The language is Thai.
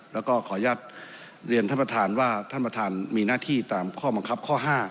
แล้วก็ขออนุญาตเรียนท่านประธานว่าท่านประธานมีหน้าที่ตามข้อบังคับข้อ๕